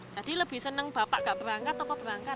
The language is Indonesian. jadi lebih senang bapak gak berangkat atau kok berangkat